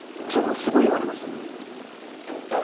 それをすごい言われましたもん。